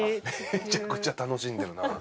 めちゃくちゃ楽しんでるな。